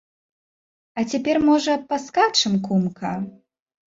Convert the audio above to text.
А цяпер, можа, паскачам, кумка?